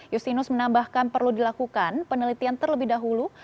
justinus menambahkan perlu dilakukan penelitian terlebih dahulu